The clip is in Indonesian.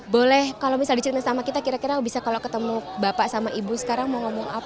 boleh kalau misalnya diceritain sama kita kira kira bisa kalau ketemu bapak sama ibu sekarang mau ngomong apa